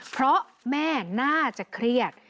เพราะแม่น่าจะเครียด